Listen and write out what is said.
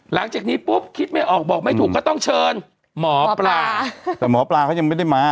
หลังจากนี้ปุ๊บคิดไม่ออกบอกไม่ถูกก็ต้องเชิญหมอปลาแต่หมอปลาเขายังไม่ได้มา